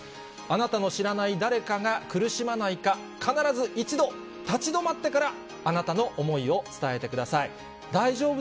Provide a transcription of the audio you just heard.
あなたの知らない誰かが苦しまないか、必ず一度、立ち止まってから、あなたの思いを伝えてください。